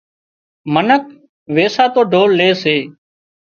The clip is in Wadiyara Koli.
منک ويساتو ڍول لي سي